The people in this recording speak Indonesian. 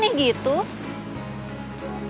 memang aneh kedengerannya